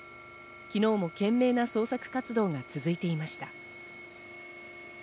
昨日も懸命な捜索活動が続いていました。